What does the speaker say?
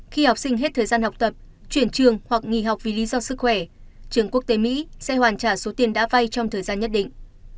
khi học sinh hết thời gian học tập chuyển trường hoặc nghỉ học vì lý do sức khỏe trường quốc tế mỹ sẽ hoàn trả số tiền đã vay trong thời gian nhất định